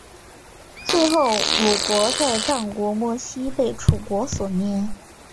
最后鲁国在战国末期被楚国所灭。